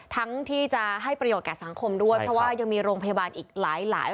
ที่จะให้ประโยชนแก่สังคมด้วยเพราะว่ายังมีโรงพยาบาลอีกหลาย